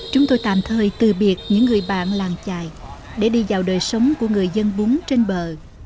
chúng tôi tạm thời từ biệt những người bạn làng trài để đi vào đời sống của người dân bún trên bờ